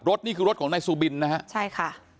นี่คือรถของนายซูบินนะฮะใช่ค่ะ